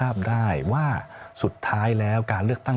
ว่าเสร็จสุดท้ายแล้วการเลือกตั้ง